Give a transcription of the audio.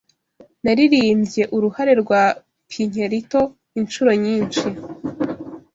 Naririmbye uruhare rwa Pinkerito inshuro nyinshi